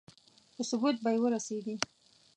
په ثبوت به ورسېږي.